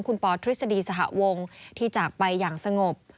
คุณปอทฤษฎีสหวงที่จากไปอย่างสงบ